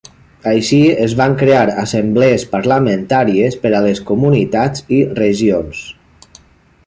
Així es van crear assemblees parlamentàries per a les comunitats i regions.